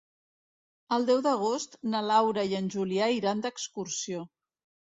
El deu d'agost na Laura i en Julià iran d'excursió.